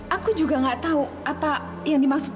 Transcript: aku juga gak tahu apa yang dimaksud